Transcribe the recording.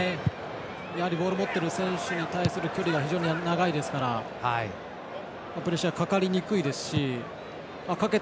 ボールを持っている選手に対する距離が長いですからプレッシャーがかかりにくいですしかけ